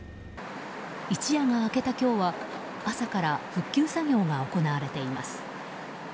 一夜が明けた今日は朝から復旧作業が行われています。